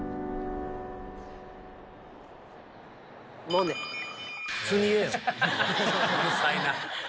うるさいな。